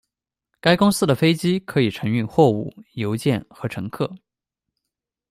该公司的飞机可以承运货物、邮件和乘客。